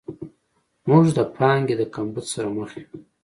موږ د پانګې د کمبود سره مخ یو.